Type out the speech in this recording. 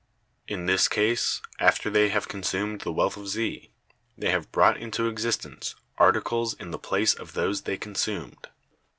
In this case, after they have consumed the wealth Z, they have brought into existence articles in the place of those they consumed.